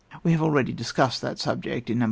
We have already discussed that subject in No.